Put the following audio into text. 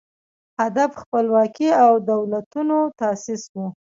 هدف خپلواکي او دولتونو تاسیس و